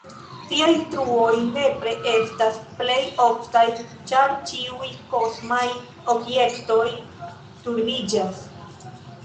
Tiaj truoj nepre estas plej oftaj, ĉar ĉiuj kosmaj objektoj turniĝas.